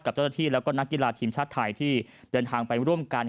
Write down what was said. เจ้าหน้าที่แล้วก็นักกีฬาทีมชาติไทยที่เดินทางไปร่วมกัน